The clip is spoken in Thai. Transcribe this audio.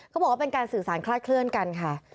เขาบอกว่าเป็นการสื่อสารคลาดเคลื่อนกันค่ะ